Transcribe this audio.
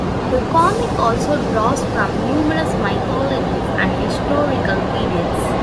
The comic also draws from numerous mythologies and historical periods.